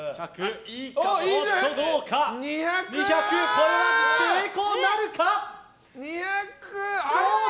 これは成功なるか！